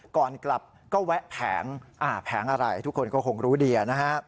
ก่อนกลับก็แวะแผงแผงอะไรทุกคนก็คงรู้เดียนะฮะ